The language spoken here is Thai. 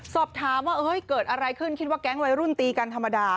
สอบถามว่าเกิดอะไรขึ้นคิดว่าแก๊งวัยรุ่นตีกันธรรมดา